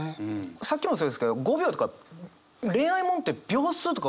さっきもそうですけど「５秒」とか恋愛物って秒数とか分とか出てくるんですよね